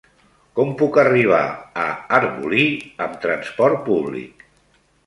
Com puc arribar a Arbolí amb trasport públic?